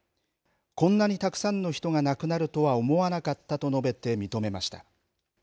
こんなにたくさんの人が亡くなるとは思わなかったと述べて認めました。